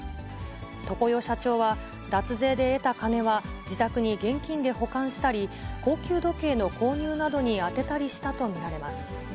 常世社長は、脱税で得た金は自宅に現金で保管したり、高級時計の購入などに充てたりしたと見られます。